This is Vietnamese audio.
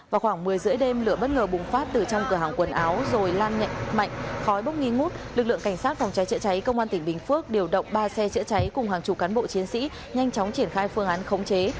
vào khoảng một mươi h ba mươi đêm lửa bất ngờ bùng phát từ trong cửa hàng quần áo rồi lan nhạy mạnh khói bốc nghi ngút lực lượng cảnh sát phòng cháy chữa cháy công an tỉnh bình phước điều động ba xe chữa cháy cùng hàng chục cán bộ chiến sĩ nhanh chóng triển khai phương án khống chế